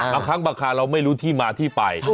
บางครั้งบางคราวเราไม่รู้ที่มาที่ไป